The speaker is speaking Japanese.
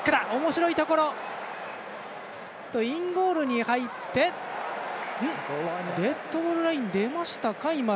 インゴールに入ってデッドボールラインを出ましたか。